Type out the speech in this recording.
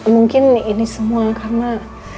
mungkin ini semua karena